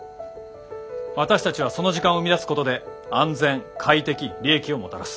私たちはその時間を生み出すことで安全快適利益をもたらす。